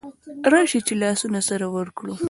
راسئ چي لاسونه سره ورکړو